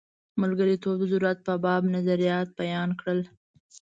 ملګرتوب د ضرورت په باب نظریات بیان کړل.